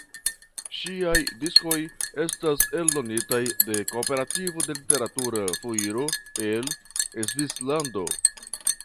Ŝiaj diskoj estas eldonitaj de Kooperativo de Literatura Foiro, el Svislando.